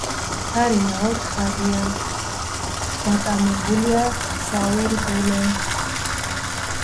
კარი ნაოთხალია; დატანებულია საურდულე.